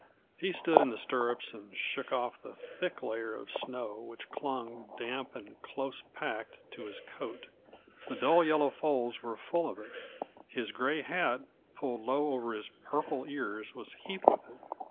He stood in the stirrups and shook off the thick layer of snow which clung, damp and close packed, to his coat. The dull yellow folds were full of it; his gray hat, pulled low over his purple ears, was heaped with it.